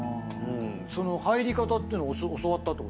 その入り方っていうの教わったってこと？